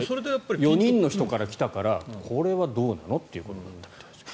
４人の人から来たからこれはどうなの？っていうことだったみたいです。